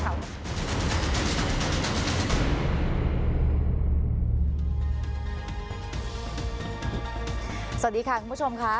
สวัสดีค่ะคุณผู้ชมค่ะ